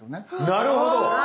なるほど！